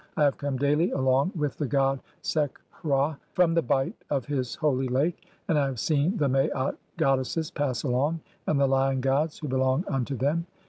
I have come [daily] along 'with the god Sek hra from the bight of his holy lake, (4) and 'I have seen the Maat [goddesses] pass along, and the lion gods 'who belong unto them.